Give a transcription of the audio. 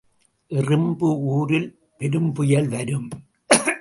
எறும்பு ஊரில் பெரும்புயல் வரும்.